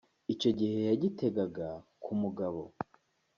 icyo gihe yagitegaga ku mugabo